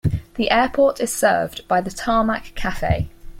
The airport is served by the Tarmac Cafe.